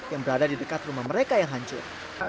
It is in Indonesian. yang berada di dekat rumah mereka yang hancur